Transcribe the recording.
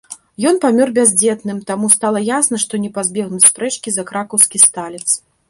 Ён памёр бяздзетным, таму, стала ясна, што не пазбегнуць спрэчкі за кракаўскі сталец.